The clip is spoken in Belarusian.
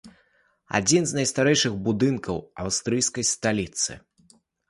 Адзін з найстарэйшых будынкаў аўстрыйскай сталіцы.